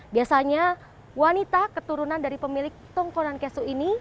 biasanya wanita keturunan dari pemilik tongkonan kesu ini